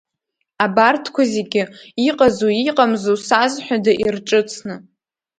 Абарҭқәа зегьы ыҟазу иҟамзу сазҳәода ирҿыцны…